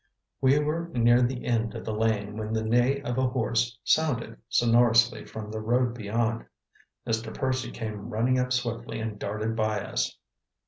We were near the end of the lane when the neigh of a horse sounded sonorously from the road beyond. Mr. Percy came running up swiftly and darted by us.